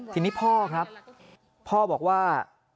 ทีนี้พ่อครับพ่อบอกว่า